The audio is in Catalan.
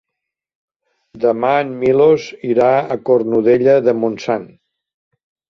Demà en Milos irà a Cornudella de Montsant.